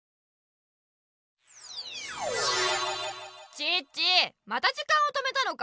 チッチまた時間を止めたのか。